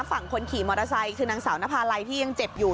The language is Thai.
ฝั่งคนขี่มอเตอร์ไซค์คือนางสาวนภาลัยที่ยังเจ็บอยู่